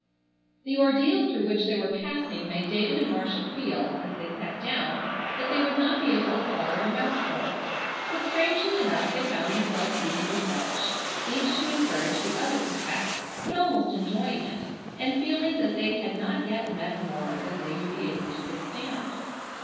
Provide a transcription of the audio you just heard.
The ordeal through which they were passing made David and Marcia feel, as they sat down, that they would not be able to swallow a mouthful, but strangely enough they found themselves eating with relish, each to encourage the other perhaps, but almost enjoying it, and feeling that they had not yet met more than they would be able to withstand.